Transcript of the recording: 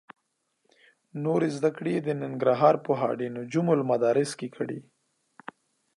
نورې زده کړې یې د ننګرهار په هډې نجم المدارس کې کړې.